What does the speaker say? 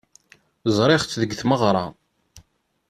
Ẓriɣ-tt deg tmeɣra.